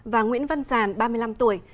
và nguyễn văn giàn ba mươi năm tuổi